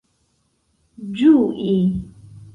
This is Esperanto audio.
ĝui